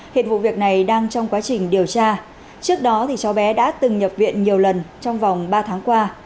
hiện vụ việc này đang trong quá trình điều tra trước đó cháu bé đã từng nhập viện nhiều lần trong vòng ba tháng qua